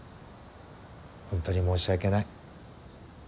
本当に申し訳ない。